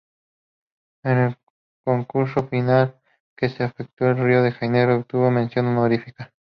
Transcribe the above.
En el concurso final que se efectuó en Río de Janeiro, obtuvo mención honorífica.